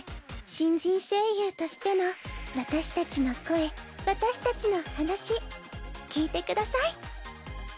新人声優としての私たちの声私たちの話聞いてください。